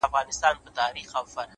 هره تجربه د فکر نوی بُعد دی؛